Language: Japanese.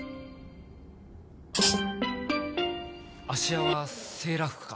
芦屋はセーラー服か。